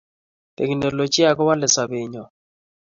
Teknoloji kowolei sobenyoo